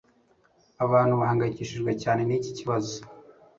abantu bahangayikishijwe cyane niki kibazo